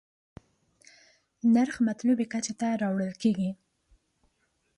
نرخ مطلوبې کچې ته راوړل کېږي.